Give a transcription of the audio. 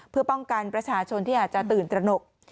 เพื่อป้องกันประชาชนที่อาจจะตื่นตระหนก